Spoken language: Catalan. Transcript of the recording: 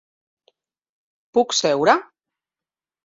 Puc seure?